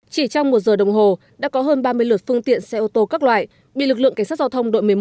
chỉ trong một giờ đồng hồ đã có hơn ba mươi lượt phương tiện xe ô tô các loại bị lực lượng cảnh sát giao thông đội một mươi một